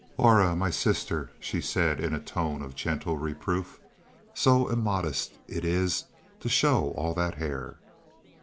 "Aura, my sister," she said in a tone of gentle reproof. "So immodest it is to show all that hair."